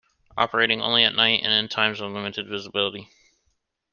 Operating only at night and in times of limited visibility.